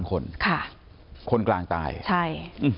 คนกลางตายอื้อฮือคนกลางตายใช่